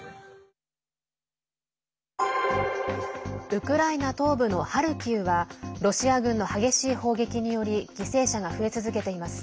ウクライナ東部のハルキウはロシア軍の激しい砲撃により犠牲者が増え続けています。